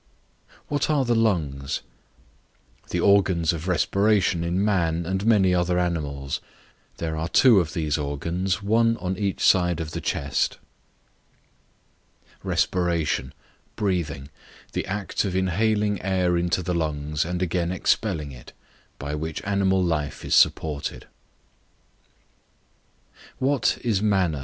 What are the Lungs? The organs of respiration in man and many other animals. There are two of these organs, one on each side of the chest. Respiration, breathing; the act of inhaling air into the lungs, and again expelling it, by which animal life is supported. What is Manna?